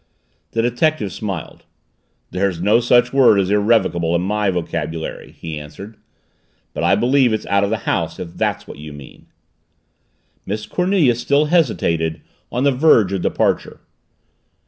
The detective smiled. "There's no such word as 'irrevocable' in my vocabulary," he answered. "But I believe it's out of the house, if that's what you mean." Miss Cornelia still hesitated, on the verge of departure.